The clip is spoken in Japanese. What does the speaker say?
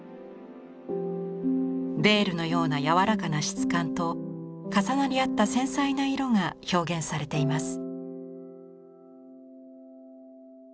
ヴェールのような柔らかな質感と重なり合った繊細な色が表現されています。